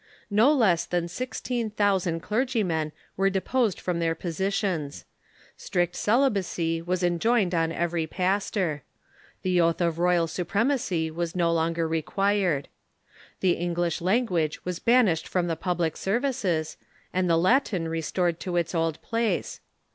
No less than sixteen thousand clergymen were deposed from their positions. Strict celibacy was enjoined on every pastor. The oath of royal supremacy Avas no longer required. The English language Avas banished from the public services, and the Latin restored to its old place.